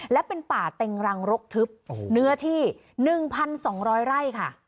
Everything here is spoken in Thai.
และเป็นป่าเต็งรังรกทึบเนื้อที่๑๒๐๐ไร่ค่ะ